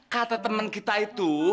kata temen kita itu